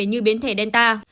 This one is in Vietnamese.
như biến thể delta